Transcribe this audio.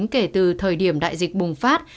kể từ thời điểm đại dịch bùng phát